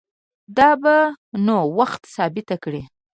دا به نو وخت ثابته کړي